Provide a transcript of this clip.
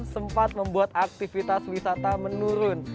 sempat membuat aktivitas wisata menurun